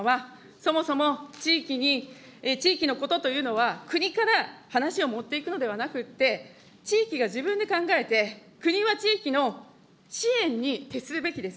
そもそも地域に、地域のことというのは国から話を持っていくのではなくて、地域が自分で考えて、国は地域の支援に徹するべきです。